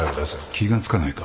気が付かないか？